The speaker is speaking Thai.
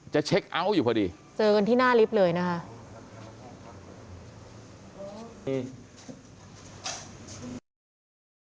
เช็คเอาท์อยู่พอดีเจอกันที่หน้าลิฟต์เลยนะคะ